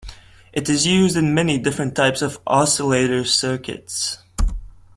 It is used in many different types of oscillator circuits.